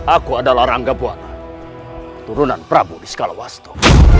aku adalah ranggabwana turunan prabu di skala wastu